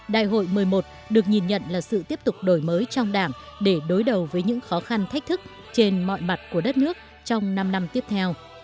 đại hội một mươi một được nhìn nhận là sự tiếp tục đổi mới trong đảng để đối đầu với những khó khăn thách thức trên mọi mặt của đất nước trong năm năm tiếp theo